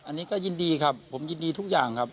อันนี้ก็ยินดีครับผมยินดีทุกอย่างครับ